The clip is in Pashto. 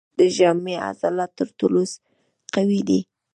د ژامې عضلات تر ټولو قوي دي.